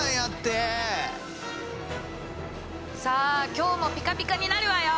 さあ今日もピカピカになるわよ！